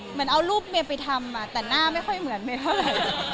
เหมือนเอารูปเมย์ไปทำแต่หน้าไม่ค่อยเหมือนเมย์เท่าไหร่